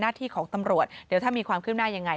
หน้าที่ของตำรวจเดี๋ยวถ้ามีความขึ้นหน้ายังไง